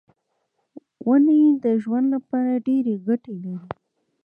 ونې د ژوند لپاره ډېرې ګټې لري.